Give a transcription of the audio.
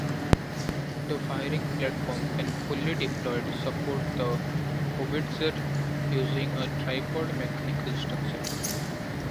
The firing platform, when fully deployed, support the howitzer using a tripod mechanical structure.